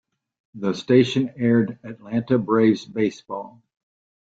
The station aired Atlanta Braves baseball.